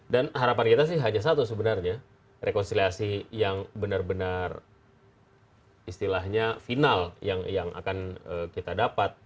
dan harapan kita sih hanya satu sebenarnya rekonsiliasi yang benar benar istilahnya final yang akan kita dapat